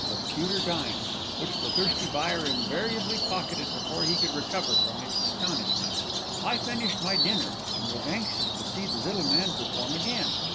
of pewter dimes, which the thirsty buyer invariably pocketed before he could recover from his astonishment. "I finished my dinner, and was anxious to see the little man perform again.